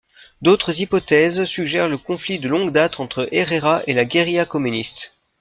D'autres hypothèses suggèrent le conflit de longue date entre Herrera et la guérilla communiste.